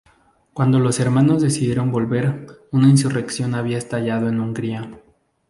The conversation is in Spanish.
Cuando los hermanos decidieron volver, una insurrección había estallado en Hungría.